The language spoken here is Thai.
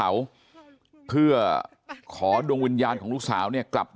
แล้วก็ยัดลงถังสีฟ้าขนาด๒๐๐ลิตร